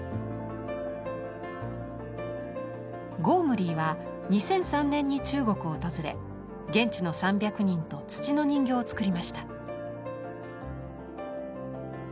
ゴームリーは２００３年に中国を訪れ現地の３００人と土の人形を作りました。